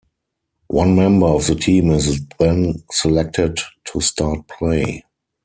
One member of the team is then selected to start play.